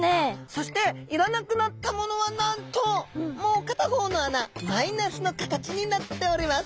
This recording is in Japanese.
そしていらなくなったものはなんともう片方の穴マイナスの形になっております。